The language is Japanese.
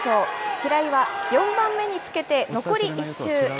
平井は４番目につけて、残り１周。